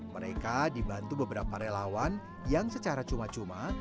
mereka dibantu beberapa relawan yang secara cuma cuma